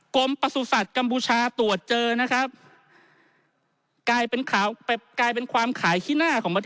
กรมประสุทธิ์สัตว์กัมพูชาตรวจเจอนะครับ